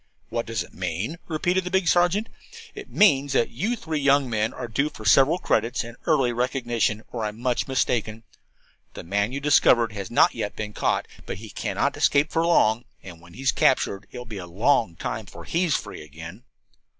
"What does it mean?" repeated the big sergeant. "It means that you three young men are due for several credits and early recognition, or I'm much mistaken. The man you discovered has not yet been caught, but he cannot escape for long. And when he is captured it will be a long time before he is free again.